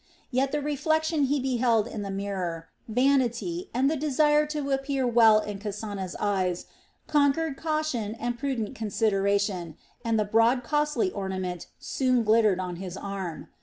Yet the reflection he beheld in the mirror, vanity, and the desire to appear well in Kasana's eyes, conquered caution and prudent consideration, and the broad costly ornament soon glittered on his arm.